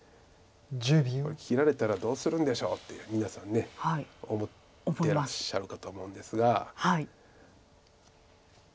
これ切られたらどうするんでしょうって皆さん思ってらっしゃるかとは思うんですが。